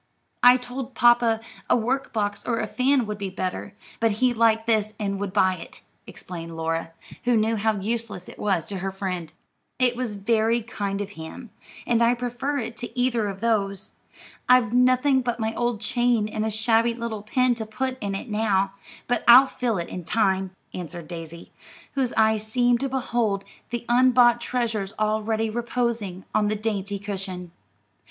"I told papa a work box or a fan would be better; but he liked this and would buy it," explained Laura, who knew how useless it was to her friend. "It was very kind of him, and I prefer it to either of those. I've nothing but my old chain and a shabby little pin to put in it now, but I'll fill it in time," answered Daisy, whose eyes seemed to behold the unbought treasures already reposing on the dainty cushion.